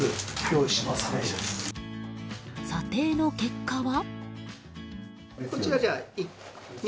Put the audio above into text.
査定の結果は。